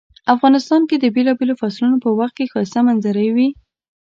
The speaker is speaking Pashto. افغانستان کې د بیلابیلو فصلونو په وخت کې ښایسته منظرۍ وی